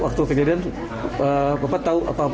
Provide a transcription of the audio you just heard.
waktu kejadian bapak tahu apa apa